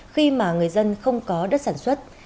khi mà người dân không có đất sản xuất